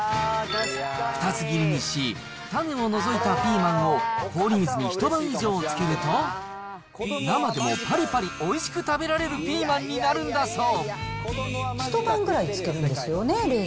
２つ切りにし、種を除いたピーマンを氷水に１晩以上つけると、生でもぱりぱりおいしく食べられるピーマンになるんだそう。